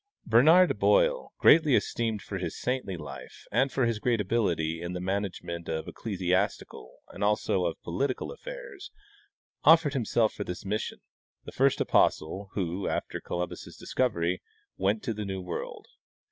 " Bernard Boil, greatly esteemed for his saintly life and for his great ability in the management of ecclesiastical and also of political affairs, offered himself for this mission, the first apostle who, after Columbus' discover}^, went to the new world.